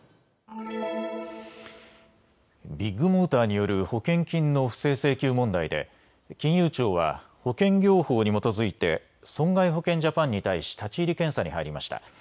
ビッグモーターによる保険金の不正請求問題で金融庁は保険業法に基づいて損害保険ジャパンに対し立ち入り検査に入りました。